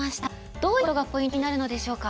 どういったことがポイントになるのでしょうか？